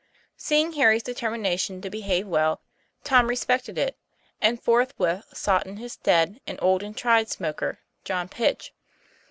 Seeing Harry's determination to behave well, Tom respected it; and forthwith sought in his stead an old and tried smoker, John Pitch.